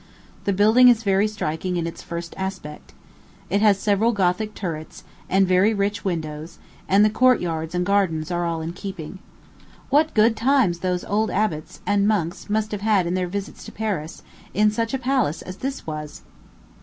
The building is very striking in its first aspect. It has several Gothic turrets, and very rich windows, and the court yards and garden are all in keeping. What good times those old abbots, and monks must have had in their visits to Paris, in such a palace as this was!